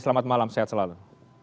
selamat malam sehat selalu